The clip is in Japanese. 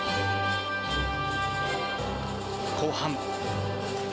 後半。